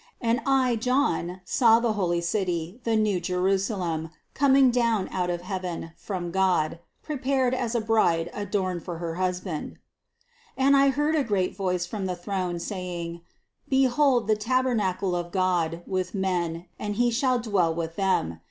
2. And I John saw the holy city, the new Jerusalem, coming down out of heaven, from God, prepared as a bride adorned for her husband. 3. And I heard a great voice from the throne say ing: Behold the tabernacle of God with men, and He shall dwell with them.